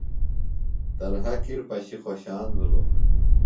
طلحہ کِر پشیۡ خوشان بِھلوۡ۔